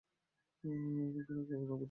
ও আমাকে প্রথমে গুঁতা দিয়েছে!